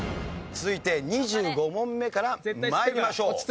続いて２５問目から参りましょう。